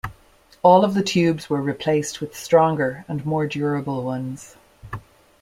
All of the tubes were replaced with stronger and more durable ones.